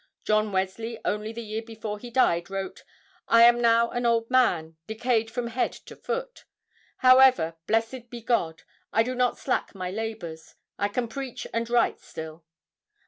John Wesley only the year before he died wrote: "I am now an old man, decayed from head to foot…. However, blessed be God! I do not slack my labors; I can preach and write still."